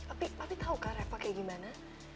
papi papi tahukah reva kayak gimana